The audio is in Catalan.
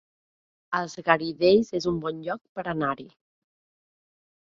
Els Garidells es un bon lloc per anar-hi